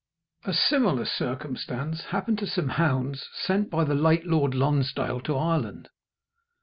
A similar circumstance happened to some hounds sent by the late Lord Lonsdale to Ireland.